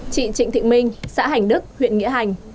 chị trịnh thị minh xã hành đức huyện nghĩa hành